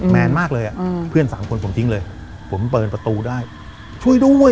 แมนมากเลยอ่ะเพื่อนสามคนผมทิ้งเลยผมเปิดประตูได้ช่วยด้วย